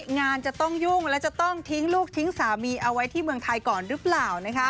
งานจะต้องยุ่งและจะต้องทิ้งลูกทิ้งสามีเอาไว้ที่เมืองไทยก่อนหรือเปล่า